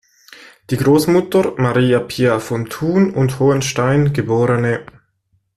Die Großmutter Marie Pia von Thun und Hohenstein geb.